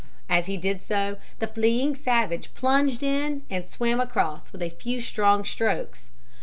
As he did so, the fleeing savage plunged in and swam across with a few strong strokes.